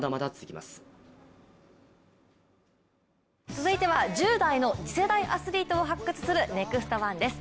続いては１０代の次世代アスリートを発掘する「ＮＥＸＴ☆１」です。